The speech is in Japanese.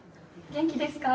元気ですか？